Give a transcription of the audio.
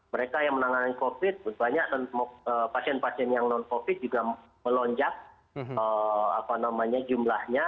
mereka yang menangani covid banyak pasien pasien yang non covid juga melonjak jumlahnya